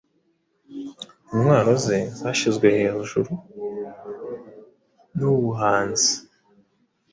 Intwaro ze zashizwe hejuru nubuhanzi